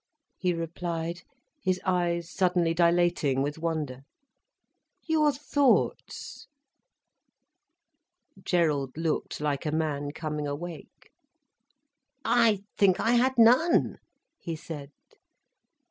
he replied, his eyes suddenly dilating with wonder. "Your thoughts." Gerald looked like a man coming awake. "I think I had none," he said.